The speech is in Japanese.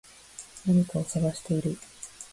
何かを探している